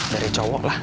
dari cowok lah